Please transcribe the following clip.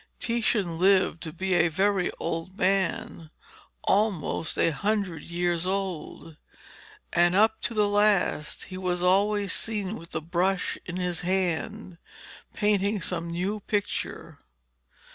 Titian lived to be a very old man, almost a hundred years old, and up to the last he was always seen with the brush in his hand, painting some new picture.